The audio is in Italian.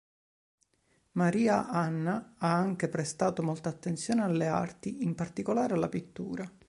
Maria Anna ha anche prestato molta attenzione alle arti, in particolare alla pittura.